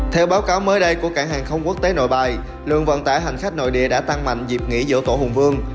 theo báo cáo mới đây của cảng hàng không quốc tế nội bài lượng vận tải hành khách nội địa đã tăng mạnh dịp nghỉ dỗ tổ hùng vương